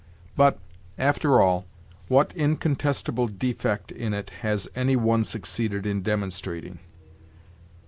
But, after all, what incontestable defect in it has any one succeeded in demonstrating?